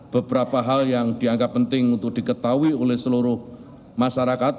beberapa hal yang dianggap penting untuk diketahui oleh seluruh masyarakat